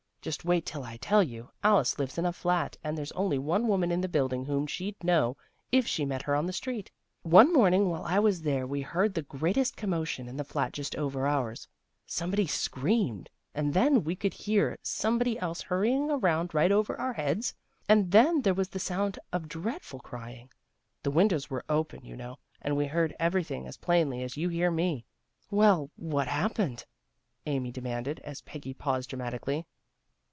" Just wait till I tell you. Alice lives in a flat, and there's only one woman in the building whom she'd know if she met her on the street. One morning while I was there we heard the great est commotion in the flat just over ours. Some body screamed, and then we could hear some body else hurrying around right over our heads, and then there was the sound of dreadful cry THE RETURN OF PEGGY 11 ing. The windows were open, you know, and we heard everything as plainly as you hear me." " Well, what had happened? " Amy de manded, as Peggy paused dramatically.